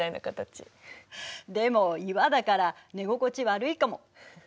でも岩だから寝心地悪いかも。